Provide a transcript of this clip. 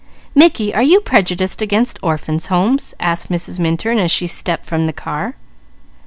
"Mickey, are you prejudiced against Orphans' Homes?" asked Mrs. Minturn as she stepped from the car.